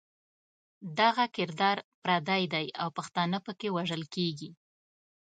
دغه کردار پردی دی او پښتانه پکې وژل کېږي.